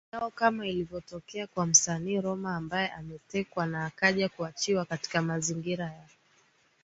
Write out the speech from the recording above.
yao kama ilivyotokea kwa msanii Roma ambaye ametekwa na akaja kuachiwa katika mazingira ya